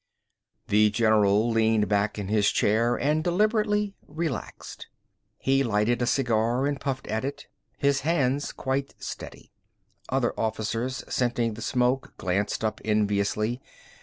The general leaned back in his chair and deliberately relaxed. He lighted a cigar and puffed at it, his hands quite steady. Other officers, scenting the smoke, glanced up enviously.